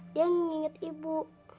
dia nginget ibu